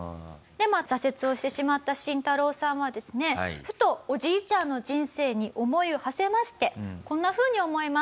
でまあ挫折をしてしまったシンタロウさんはですねふとおじいちゃんの人生に思いをはせましてこんなふうに思います。